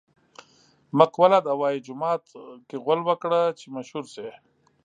مقوله ده: وايي جومات غول وکړه چې مشهور شې.